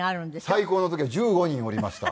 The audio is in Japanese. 最高の時は１５人おりました。